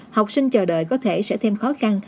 học sinh chờ đợi có thể sẽ thêm khó khăn